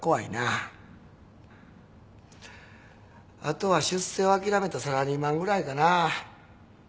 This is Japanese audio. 後は出世をあきらめたサラリーマンぐらいかな。